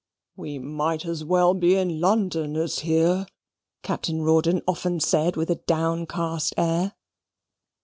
"We might as well be in London as here," Captain Rawdon often said, with a downcast air.